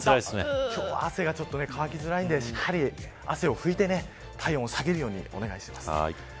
汗が乾きづらいので汗を拭いて体温を下げるようにお願いします。